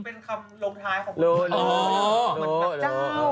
เป็นคำลงท้ายของพระอาจารย์